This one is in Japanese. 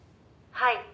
「はい。